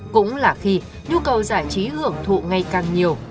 và khi nhu cầu giải trí hưởng thụ ngày càng nhiều